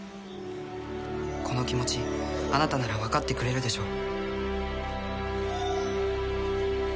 「この気持ちあなたなら分かってくれるでしょう」